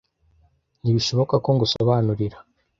Ntibishoboka ko ngusobanurira.